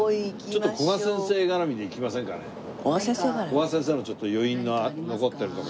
古賀先生のちょっと余韻が残ってる所とか。